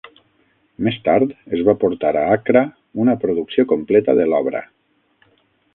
Més tard es va portar a Accra una producció completa de l'obra.